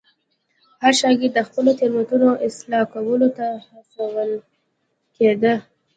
هر شاګرد د خپلو تېروتنو اصلاح کولو ته هڅول کېده.